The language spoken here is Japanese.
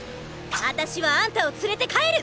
あたしはあんたを連れて帰る！